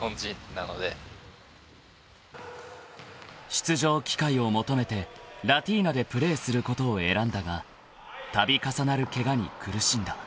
［出場機会を求めてラティーナでプレーすることを選んだが度重なるケガに苦しんだ］